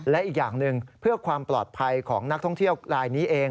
และอีกอย่างหนึ่งเพื่อความปลอดภัยของนักท่องเที่ยวลายนี้เอง